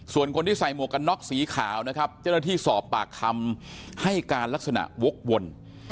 ส่วนคนที่ใส่หมวกกันน็อกสีขาวนะครับเจ้าหน้าที่สอบปากคำให้การลักษณะวกวน